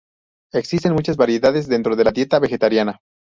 Existen muchas variedades dentro de la dieta vegetariana.